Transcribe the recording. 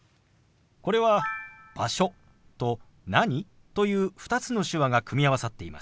これは「場所」と「何？」という２つの手話が組み合わさっています。